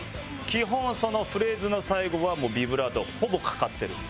基本そのフレーズの最後はビブラートがほぼかかってるんですね。